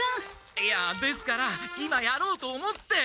いやですから今やろうと思って！